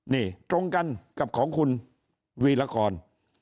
นี่ตรงกันกับของคุณวีรกร